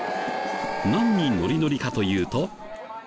何にノリノリかというと。